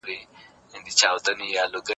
استاد باید شاګرد ته پوره خپلواکي ورکړي.